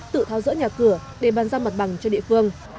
tự tháo rỡ nhà cửa để bàn ra mặt bằng cho địa phương